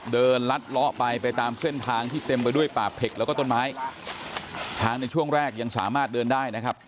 ลัดเลาะไปไปตามเส้นทางที่เต็มไปด้วยป่าเผ็กแล้วก็ต้นไม้ทางในช่วงแรกยังสามารถเดินได้นะครับ